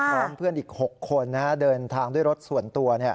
พร้อมเพื่อนอีก๖คนเดินทางด้วยรถส่วนตัว